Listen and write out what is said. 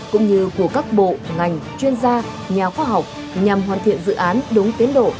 cũng như của các bộ ngành chuyên gia nhà khoa học nhằm hoàn thiện dự án đúng tiến độ